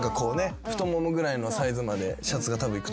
太ももぐらいのサイズまでシャツがいくと思うので。